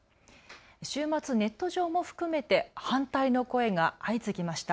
週末、ネット上も含めて反対の声が相次ぎました。